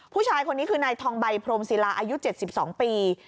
ผู้ชายคนนี้คือนายทองใบพรมศิลาอายุ๗๒ปี